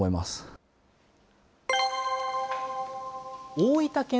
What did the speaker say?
大分県